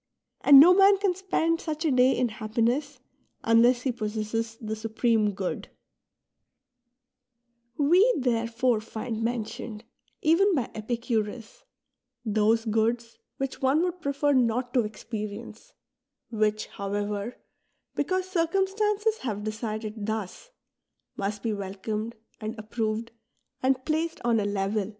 And no man can spend such a day in happiness unless he possesses the Supreme Good. We therefore find mentioned, even by Epicurus," those goods which one would prefer not to experience ; which, however, because circumstances have decided 31 THE EPISTLES OF SENECA xanda et laudanda et exaequanda summis sunt.